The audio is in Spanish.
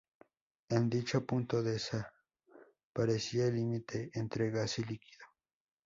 En dicho punto desaparecía el límite entre gas y líquido.